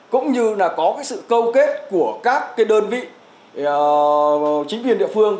cũng như là có cái sự câu kết của các cái đơn vị chính quyền địa phương